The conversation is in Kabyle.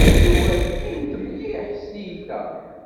Yuba rkin-t mliḥ s tyita.